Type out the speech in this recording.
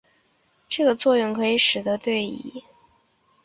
这个作用可以使得对乙酰氨基酚。